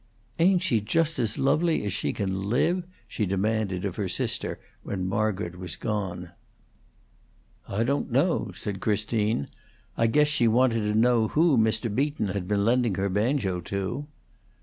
"Ain't she just as lovely as she can live?" she demanded of her sister when Margaret was gone. "I don't know," said Christine. "I guess she wanted to know who Mr. Beaton had been lending her banjo to."